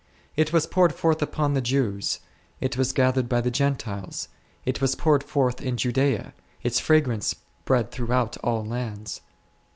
It was poured forth upon the Jews, it was gathered by the Gentiles ; it was poured forth in Judea, its fragrance spread throughout all lands.